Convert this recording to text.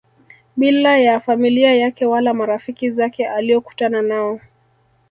bila ya familia yake wala marafiki zake aliokutana nao